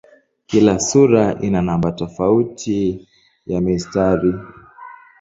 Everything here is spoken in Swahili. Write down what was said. Kila sura ina namba tofauti ya mistari.